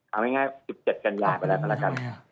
เอาง่ายปี๑๗กันจากเวลาหลังจาก